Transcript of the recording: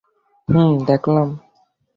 হুম, দেখলাম।